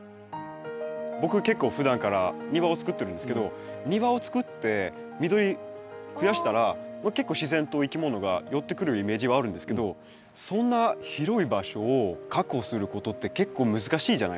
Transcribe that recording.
僕結構ふだんから庭を作ってるんですけど庭を作って緑増やしたら結構自然といきものが寄ってくるイメージはあるんですけどそんな広い場所を確保することって結構難しいじゃないですか。